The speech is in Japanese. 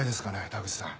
田口さん。